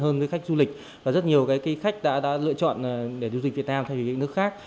hơn với khách du lịch và rất nhiều khách đã lựa chọn để du lịch việt nam thay vì những nước khác